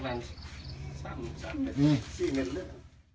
ประมาณ๓๔เมตร